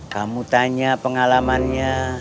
kamu tanya pengalamannya